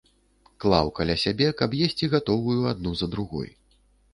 Клаў каля сябе, каб есці гатовую адну за другой.